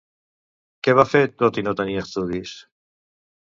Què va fer tot i no tenir estudis?